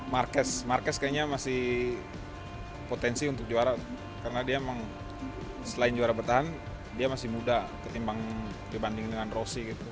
marquez marquez kayaknya masih potensi untuk juara karena dia emang selain juara bertahan dia masih muda ketimbang dibanding dengan rosi gitu